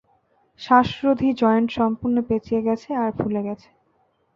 শ্বাসরোধী joint সম্পূর্ণ পেঁচিয়ে গেছে আর ফুলে গেছে।